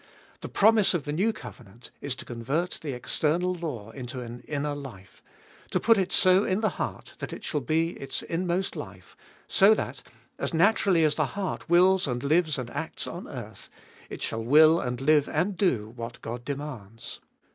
The promise of the new covenant is to convert the external law into an inner life, to put it so in the heart that it shall be its inmost life, so that, as naturally as the heart wills and lives and acts on earth, it shall will and live and do what God demands.